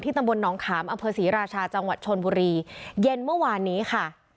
ตำบลหนองขามอำเภอศรีราชาจังหวัดชนบุรีเย็นเมื่อวานนี้ค่ะ